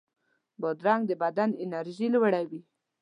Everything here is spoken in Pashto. بادرنګ د بدن انرژي لوړوي.